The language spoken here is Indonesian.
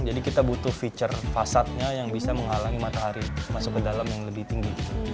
jadi kita butuh feature fasadnya yang bisa menghalangi matahari masuk ke dalam yang lebih tinggi